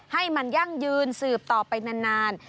ให้มันยั่งยืนสืบต่อไปนาน